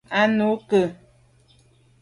A nu ke ?